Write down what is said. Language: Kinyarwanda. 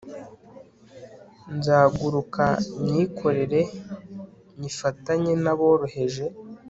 nzaguruka nyikorere nyifatanye n'aboroheje